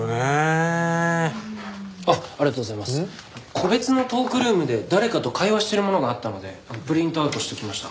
個別のトークルームで誰かと会話してるものがあったのでプリントアウトしておきました。